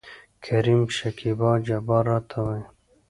کريم : شکيبا جبار راته وايي.